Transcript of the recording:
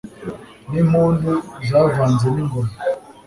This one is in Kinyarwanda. N' impundu zavanze n' ingoma